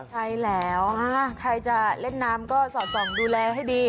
ใช่แล้วใครจะเล่นน้ำก็สอดส่องดูแลให้ดี